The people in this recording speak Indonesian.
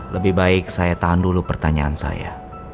lebih baik saya tahan dulu pertanyaan saya